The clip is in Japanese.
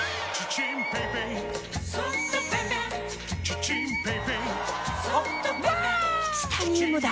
チタニウムだ！